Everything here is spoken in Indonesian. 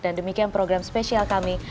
dan demikian program spesial kami